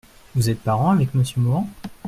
Vous êtes parent avec monsieur Mohan ?